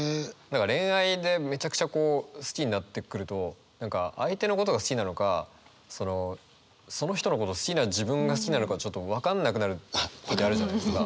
恋愛でめちゃくちゃこう好きになってくると何か相手のことが好きなのかその人のこと好きな自分が好きなのかちょっと分かんなくなる時あるじゃないですか。